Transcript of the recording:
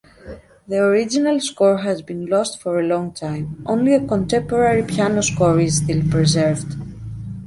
The original score has been lost for a long time, only a contemporary piano score is still preserved.